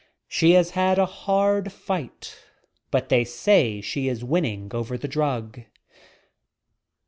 She has had a hard fight, but they say she is winning over the drug.